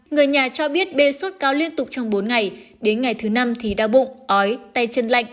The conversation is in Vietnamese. người nhà cho biết bê sốt cao liên tục trong bốn ngày đến ngày thứ năm thì đau bụng ói tay chân lạnh